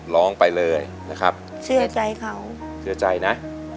ร้องไปเลยนะครับเชื่อใจเขาเชื่อใจนะ